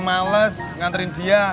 males nganterin dia